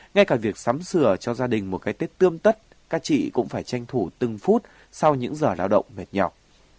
ngay cả việc sắm sửa cho gia đình một cái tết tươm tất các chị cũng phải tranh thủ từng phút sau những giờ lao động mệt nhọc